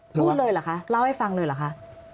พูดเลยเหรอคะเล่าให้ฟังเลยเหรอคะ